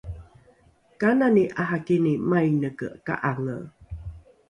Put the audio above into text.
kanani ’arakini maineke ka’ange?